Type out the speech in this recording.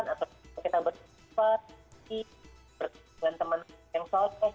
atau kita bersama teman teman yang soal